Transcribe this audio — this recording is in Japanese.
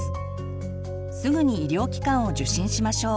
すぐに医療機関を受診しましょう。